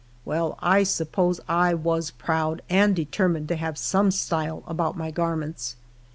Well, 1 suppose I was proud, and determined to have some "style'' about my garments.